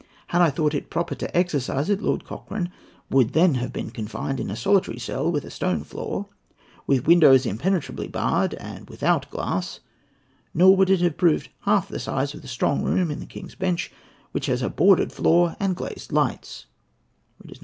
Had I thought proper to exercise it, Lord Cochrane would then have been confined in a solitary cell with a stone floor, with windows impenetrably barred and without glass; nor would it have proved half the size of the Strong Room in the King's Bench, which has a boarded floor and glazed lights."